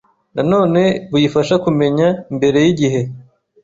Nanone buyifasha kumenya mbere y’igihe